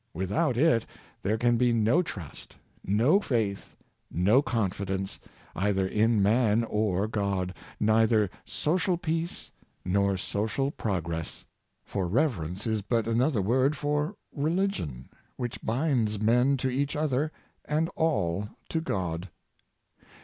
Without it there can be no trust, no faith, no confidence, either in man or God — neither social peace nor social progress. For reverence is but another word for religion, which binds men to each other, and all to God.